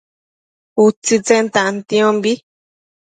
utsitsen tantiombi